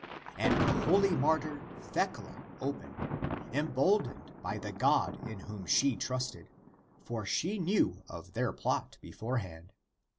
And the holy martyr Thecla opened, emboldened by the God in whom she trusted; for she knew of their plot beforehand.